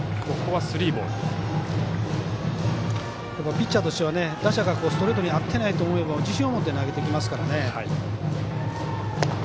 ピッチャーとしては打者がストレートに合ってないと思ったら自信を持って投げてきますからね。